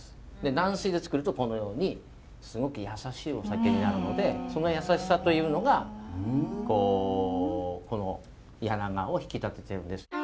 軟水で造るとこのようにすごく優しいお酒になるのでその優しさというのがこの柳川を引き立ててるんです。